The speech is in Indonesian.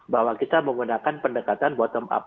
bahwa kita menggunakan pendekatan bottom up